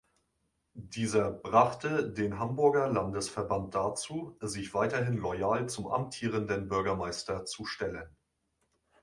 Dieser brachte den Hamburger Landesverband dazu, sich weiterhin loyal zum amtierenden Bürgermeister zu stellen.